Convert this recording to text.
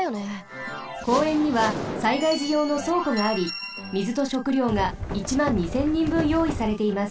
公園には災害じようのそうこがあり水と食料が１２０００人分よういされています。